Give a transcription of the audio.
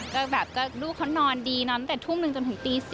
ก็แบบก็ลูกเขานอนดีนอนตั้งแต่ทุ่มหนึ่งจนถึงตี๔